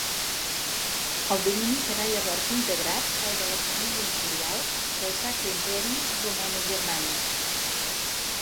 El domini serà llavors integrat al de la família imperial del Sacre Imperi Romanogermànic.